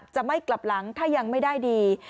จะไม่กลับหลังถ้ายังไม่ได้ดี